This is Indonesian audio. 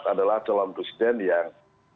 adalah calon presiden yang